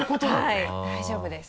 はい大丈夫です。